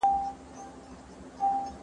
هغې خپل کار په ډېره ارامۍ او حوصله مخته ووړ.